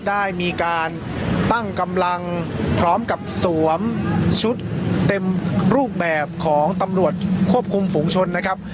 ได้มีการตั้งกำลังพร้อมกับสวมชุดเต็มรูปแบบของตำรวจควบคุมฝุงชนนะครับ